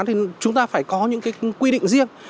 thì chúng ta phải có những cái quy định riêng